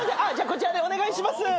こちらでお願いします。